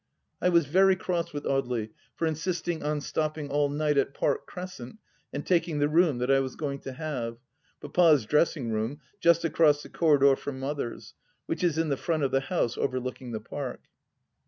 I was very cross with Audely for insisting on stopping all night at Park Crescent and taking the room that I was going to have. Papa's dressing room, just across the corridor from Mother's, which is in the front of the house overlooking the Park.